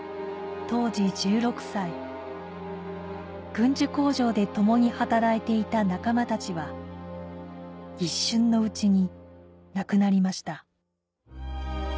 軍需工場で共に働いていた仲間たちは一瞬のうちに亡くなりました